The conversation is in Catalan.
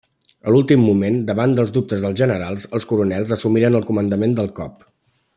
A l'últim moment, davant els dubtes dels generals, els Coronels assumiren el comandament del cop.